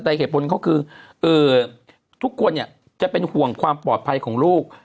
แต่เหตุผลเขาคือทุกคนเนี่ยจะเป็นห่วงความปลอดภัยของลูก